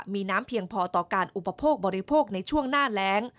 มีน้ำเพียงพอต่อการอุปโภคบริโภคในช่วงหน้าแรง